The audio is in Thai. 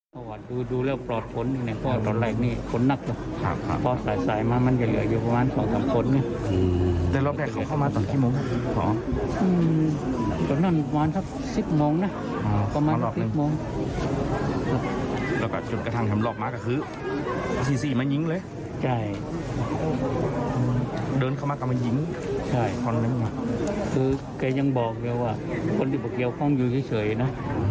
ใช่คนนั้นค่ะคือแกยังบอกไงว่าคนที่เหมือนจะเกี่ยวข้องกันอยู่เฉยนะ